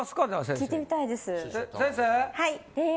はい。